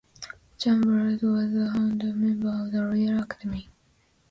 Chambers was a founder member of the Royal Academy.